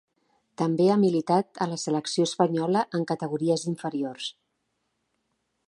També ha militat a la selecció espanyola en categories inferiors.